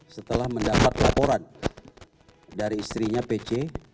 setelah mendapat laporan dari istrinya pc